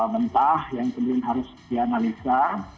mentah yang kemudian harus dianalisa